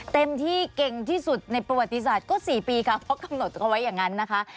เต็มที่เก่งที่สุดในประวัติศาสตร์ก็๔ปีค่ะเพราะกำหนดเขาไว้อย่างนั้นนะคะ